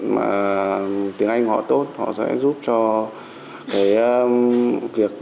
mà tiếng anh họ tốt họ sẽ giúp cho cái việc tốt